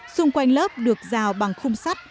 xung quanh lớp được rào bằng khung sắt